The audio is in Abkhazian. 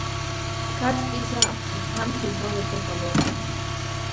Қарҭтәизаап, аха амц иҳәозаргьы ҟалон.